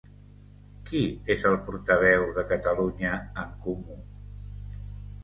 Qui és el portaveu de Catalunya en Comú?